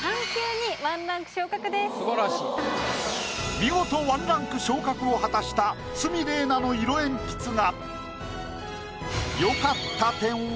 見事１ランク昇格を果たした鷲見玲奈の色鉛筆画。